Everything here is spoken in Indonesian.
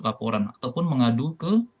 laporan ataupun mengadu ke